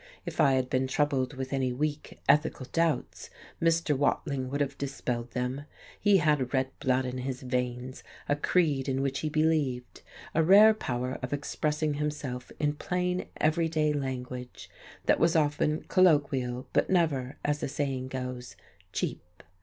If I had been troubled with any weak, ethical doubts, Mr. Watling would have dispelled them; he had red blood in his veins, a creed in which he believed, a rare power of expressing himself in plain, everyday language that was often colloquial, but never as the saying goes "cheap."